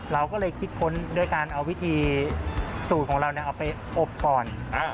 เราก็เลยคิดค้นด้วยการเอาวิธีสูตรของเราเอาไปอบก่อน